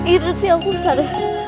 itu tiap kursan